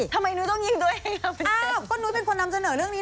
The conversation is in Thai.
ก็นุ๊ยเป็นคนนำเสนอเรื่องนี้